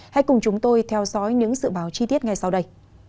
hãy cùng chúng tôi theo dõi những dự báo chi tiết ngay sau đây